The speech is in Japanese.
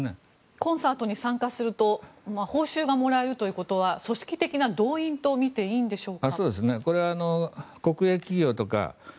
コンサートに参加すると報酬がもらえるということは組織的な動員とみていいんでしょうか？